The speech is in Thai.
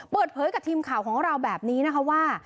เปิดเผยกับทีมข่าวของเราแบบนี้นะคะว่า